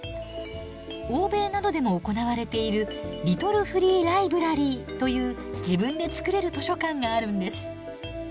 欧米などでも行われているリトルフリーライブラリーという自分で作れる図書館があるんです。